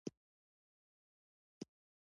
د هلمند په نوزاد کې د مرمرو نښې شته.